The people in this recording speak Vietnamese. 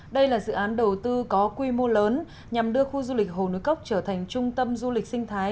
đây là dự án đầu tư có quy mô lớn nhằm đưa khu du lịch hồ núi cốc trở thành trung tâm du lịch sinh thái